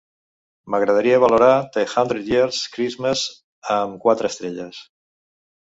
M'agradaria valorar The Hundred-Year Christmas amb quatre estrelles.